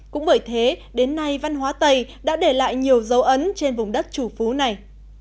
cũng bởi thế đến nay văn hóa tây đã để lại nhiều dấu ấn trên vùng đất chủ phú này